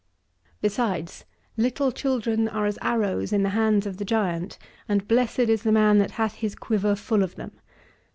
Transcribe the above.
Besides, "little children are as arrows in the hands of the giant, and blessed is the man that hath his quiver full of them."